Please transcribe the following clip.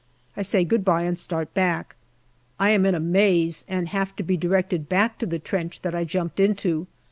I say good bye and start back. I am in a maze, and have to be directed back to the trench that J jumped into.